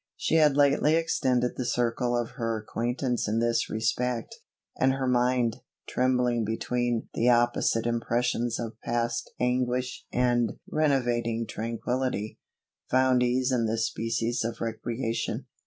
She had lately extended the circle of her acquaintance in this respect; and her mind, trembling between the opposite impressions of past anguish and renovating tranquillity, found ease in this species of recreation.